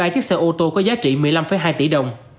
hai mươi ba chiếc xe ô tô có giá trị một mươi năm hai tỷ đồng